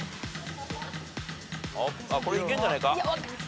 これいけんじゃないか？